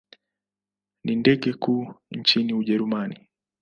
Ni ndege kuu nchini Ujerumani.